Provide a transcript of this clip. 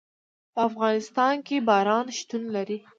په افغانستان کې باران شتون لري.